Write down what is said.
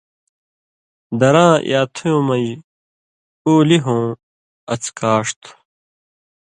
دراں یا تھُیوں من٘ژ اُولی ہوں اڅھکاݜ تھُو۔